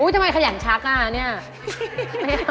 ทำไมเขยันชักล่ะเนี่ย